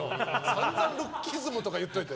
散々ルッキズムとか言っといて。